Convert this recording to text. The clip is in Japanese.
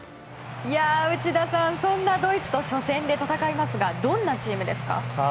内田さん、そんなドイツと初戦で戦いますがどんなチームですか？